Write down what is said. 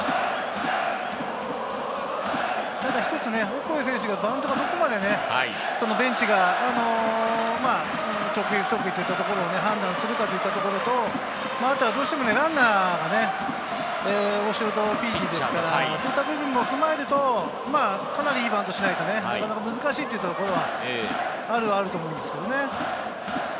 ただ一つ、オコエ選手、バントがどこまでベンチが得意不得意というところを判断するかどうかということと、どうしてもランナー、大城とビーディですから、そういった部分も踏まえると、かなりいいバントをしないと、なかなか難しいというところはあると思いますけどね。